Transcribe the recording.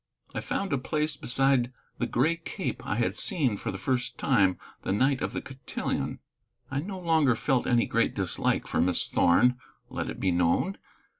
I found a place beside the gray cape I had seen for the first time the night of the cotillon. I no longer felt any great dislike for Miss Thorn, let it be known.